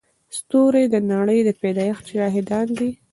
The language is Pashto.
ستوري د نړۍ د پيدایښت شاهدان دي.